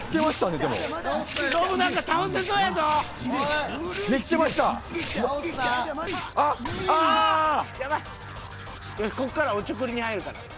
よしここからおちょくりに入るから。